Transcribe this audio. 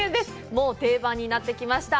もう定番になってきました、